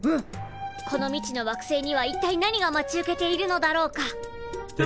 この未知の惑星にはいったい何が待ち受けているのだろうか？